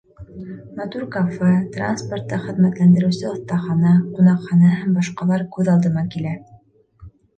Матур кафе, транспортты хеҙмәтләндереүсе оҫтахана, ҡунаҡхана һәм башҡалар күҙ алдыма килә.